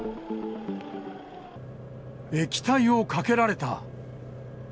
液体をかけられた。